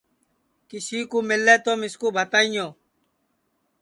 کسی کُو مِلے تومِسکُو بھتائیو